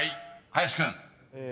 林君］